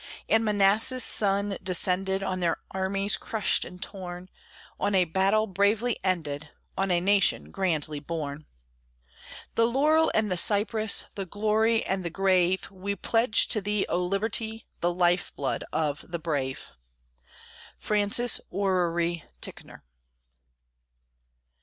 And Manassas' sun descended On their armies crushed and torn, On a battle bravely ended, On a nation grandly born. The laurel and the cypress, The glory and the grave, We pledge to thee, O Liberty! The life blood of the brave. FRANCIS ORRERY TICKNOR.